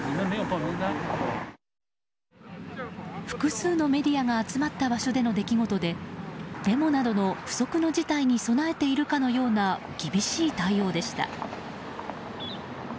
複数のメディアが集まった場所での出来事でデモなどの不測の事態に備えているかのような厳しい対応でした。